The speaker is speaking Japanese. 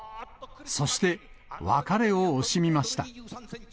そして、別れを惜しみました。